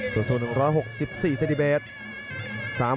ส่วนศูนย์๑๖๔ซิติเมตร